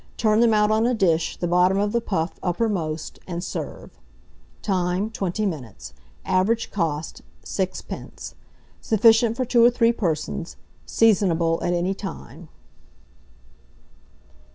Turn them out on a dish, the bottom of the puff upper most, and serve. Time. 20 minutes. Average cost, 6d. Sufficient for 2 or 3 persons. Seasonable at any time.